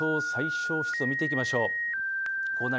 最小湿度を見ていきましょう。